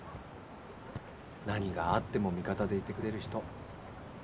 何があっても味方でいてくれる人